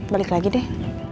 balik lagi deh